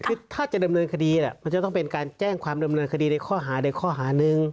คือถ้าจะดำเนินคดีมันจะต้องเป็นการแจ้งความดำเนินคดีในข้อหาใดข้อหานึง